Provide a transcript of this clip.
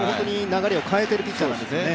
流れを変えているピッチャーだったんですね。